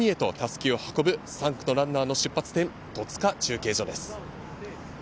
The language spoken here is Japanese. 街から海へと襷を運ぶ３区のランナーの出発点・戸塚中継所です。